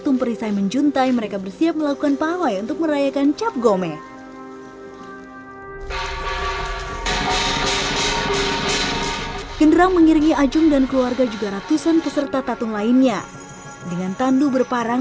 mereka mengambil alat yang menangani kekuasaan